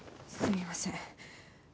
すみません。